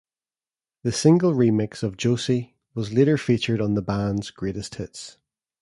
The single remix of "Josie" was later featured on the band's "Greatest Hits".